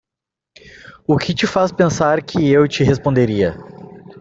O que te faz pensar que eu te responderia?